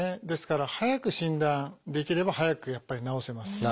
ですから早く診断できれば早くやっぱり治せます。